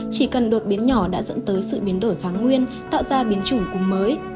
chỉ cần đột biến nhỏ đã dẫn tới sự biến đổi kháng nguyên tạo ra biến chủng cúm mới